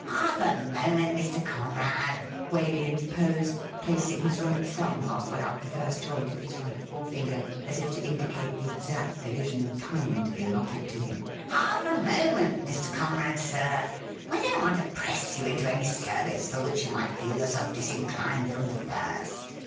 ' Half a moment, Mr. Conrad,' Waley interposed, placing his right thumb halfway up the first joint of his right fore finger, as if to indicate the exact division of time to be allotted to him. ' Half a moment, Mr. Conrad, sir ! We don't want to press you into any service for which you might feel yourself disinclined from the first.